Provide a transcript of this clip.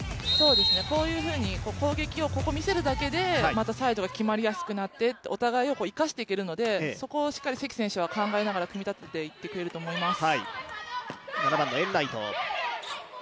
こういうふうに攻撃を見せるだけで、またサイドが決まりやすくなってお互いを生かしていけるのでそこをしっかり関選手は考えて組み立てていってくれると思います。